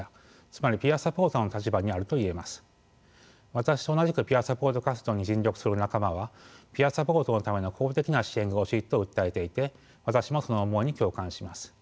私と同じくピアサポート活動に尽力する仲間はピアサポートのための公的な支援が欲しいと訴えていて私もその思いに共感します。